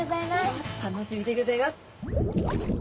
楽しみでギョざいます。